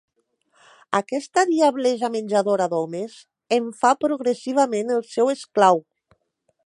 Aquesta diablessa menjadora d'homes en fa progressivament el seu esclau.